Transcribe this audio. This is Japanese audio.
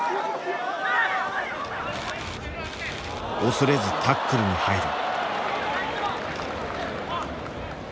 恐れずタックルに入る。